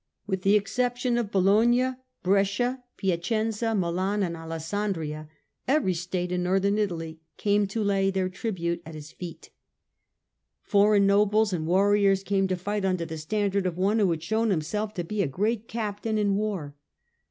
With the exception of Bologna, Brescia, Piacenza, Milan and Alessandria, every state in Northern Italy came to lay their tribute at his feet. Foreign nobles and warriors came to fight under the standard of one who had shown himself to be a great captain in 156 STUPOR MUNDI war.